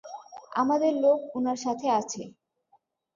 আমাদের লোক উনার সাথে আছে।